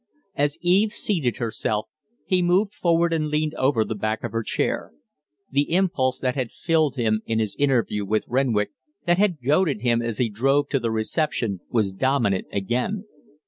As Eve seated herself, he moved forward and leaned over the back of her chair. The impulse that had filled him in his interview with Renwick, that had goaded him as he drove to the reception, was dominant again.